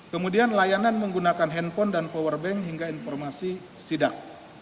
kemudian layanan menggunakan handphone dan powerbank hingga informasi sidak